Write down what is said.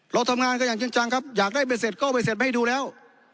เราทำงานก็อย่างจริงจังครับอยากได้เบสเซ็ตก็เบสเซ็ตไม่ให้ดูแล้ว